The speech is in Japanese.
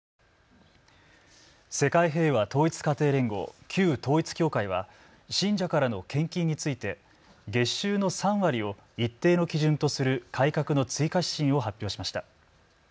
世界平和統一家庭連合、旧統一教会は信者からの献金について月収の３割を一定の基準とする改革の追加指針を発表しました。